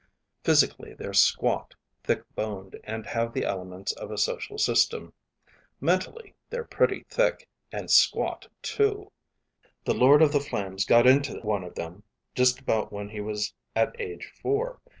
Physically they're squat, thick boned, and have the elements of a social system. Mentally they're pretty thick and squat too. The Lord of the Flames got into one of them just about when he was at age four.